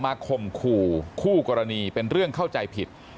ข่มขู่คู่กรณีเป็นเรื่องเข้าใจผิด